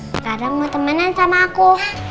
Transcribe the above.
sekarang mau temenin sama aku